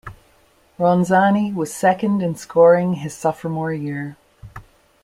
Ronzani was second in scoring his sophomore year.